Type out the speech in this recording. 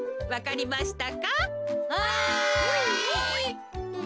はい！